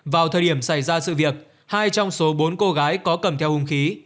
vào thời điểm xảy ra sự việc hai trong số bốn cô gái có cầm theo hung khí